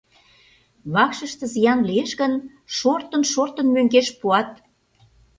— Вакшыште зиян лиеш гын, шортын-шортын, мӧҥгеш пуат.